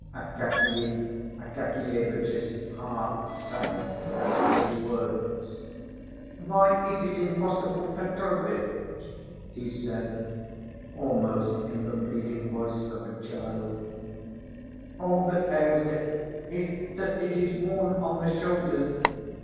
Akakiy Akakievitch's heart sank at these words. "Why is it impossible, Petrovitch?" he said, almost in the pleading voice of a child; "all that ails it is, that it is worn on the shoulders.